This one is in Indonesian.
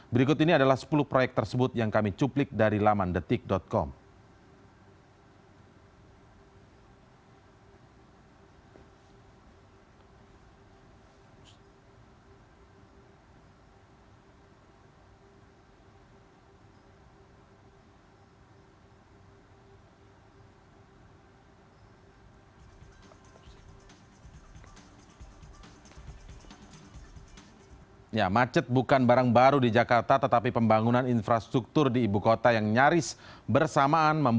berikut ini adalah sepuluh proyek tersebut yang kami cuplik dari lamandetik com